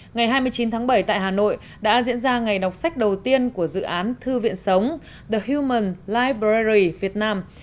ngày hai mươi chín tháng bảy tại hà nội đã diễn ra ngày đọc sách đầu tiên của dự án thư viện sống the human libray việt nam